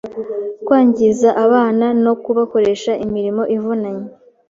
kwangiza abana no kubakoresha imirimo ivunanye